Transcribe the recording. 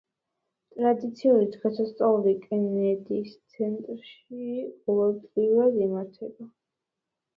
ტრადიციული დღესასწაული კენედის ცენტრში ყოველწლიურად იმართება.